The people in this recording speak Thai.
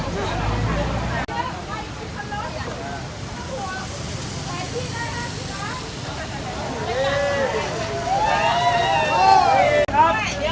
ข้าวต้นที่นี่ลาเทพี